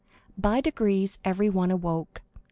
By degrees everyone awoke.